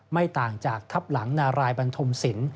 ไม่ต่างจากทับหลังนารายบันทมศิลป